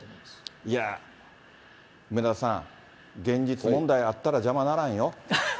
いや、梅沢さん、現実問題、あったら邪魔にならんよ。